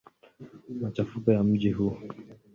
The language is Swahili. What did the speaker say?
Machafuko ya mji huu.